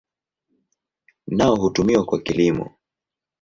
Nao hutumiwa kwa kilimo.